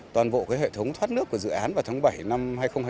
toàn bộ cái hệ thống thoát nước của dự án vào tháng bảy năm hai nghìn hai mươi bốn